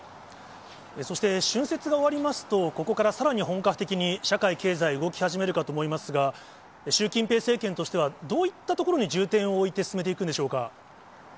そして、春節が終わりますと、ここからさらに本格的に、社会、経済、動き始めるかと思いますが、習近平政権としては、どういったところに重点を置いて進めていくんでしょうか？